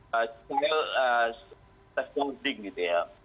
skill set coding gitu ya